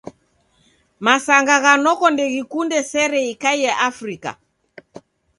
Masanga gha noko ndeghikunde sere ikaie Afrika.